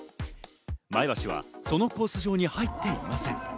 前橋はそのコース上に入っていません。